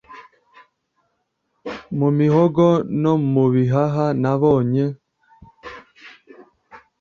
mu mihogo no mu bihaha Nabonye